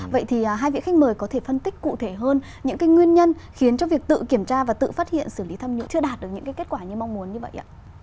vậy thì hai vị khách mời có thể phân tích cụ thể hơn những cái nguyên nhân khiến cho việc tự kiểm tra và tự phát hiện xử lý tham nhũng chưa đạt được những kết quả như mong muốn như vậy ạ